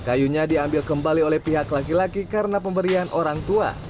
pertama perempuan yang diambil oleh perempuan itu diambil oleh pihak laki laki karena pemberian orang tua